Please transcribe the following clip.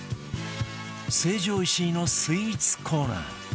成城石井のスイーツコーナー